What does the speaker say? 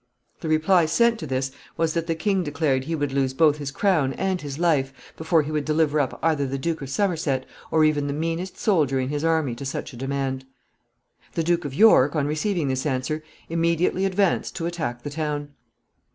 ] The reply sent to this was that the king declared that he would lose both his crown and his life before he would deliver up either the Duke of Somerset or even the meanest soldier in his army to such a demand. [Sidenote: Attack on the town.] [Sidenote: Terrible conflict.] The Duke of York, on receiving this answer, immediately advanced to attack the town.